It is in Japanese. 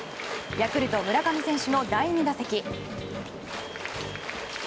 ヤクルト、村上選手の第２打席。